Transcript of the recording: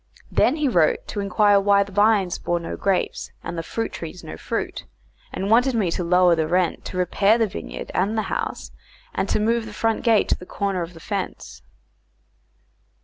Then he wrote to inquire why the vines bore no grapes and the fruit trees no fruit, and wanted me to lower the rent, to repair the vineyard and the house, and to move the front gate to the corner of the fence.